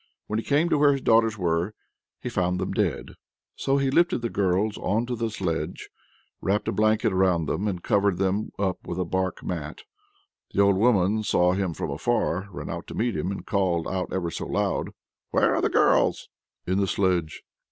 When he came to where his daughters were, he found them dead. So he lifted the girls on to the sledge, wrapped a blanket round them, and covered them up with a bark mat. The old woman saw him from afar, ran out to meet him, and called out ever so loud: "Where are the girls?" "In the sledge."